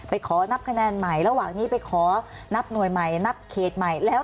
ขอนับคะแนนใหม่ระหว่างนี้ไปขอนับหน่วยใหม่นับเขตใหม่แล้ว